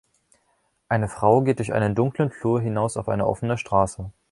Eine Frau geht durch einen dunklen Flur hinaus auf eine offene Straße.